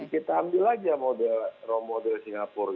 kita ambil aja model role model singapura